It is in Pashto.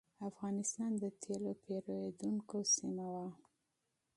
افغانستان د تېلو پېرودونکو سیمه وه.